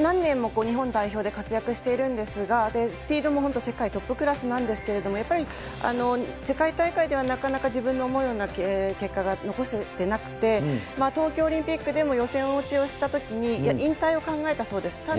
何年も日本代表で活躍しているんですが、スピードも本当、世界トップクラスなんですけれども、やっぱり世界大会ではなかなか自分の思うような結果が残せてなくて、東京オリンピックでも予選落ちをしたときに、引退を考えたそうです。